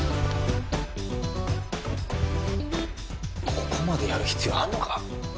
ここまでやる必要あるのか？